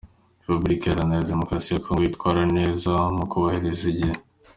Repubulika Iharanira Demokarasi ya Congo yitwara neza mu kubahiriza igihe,.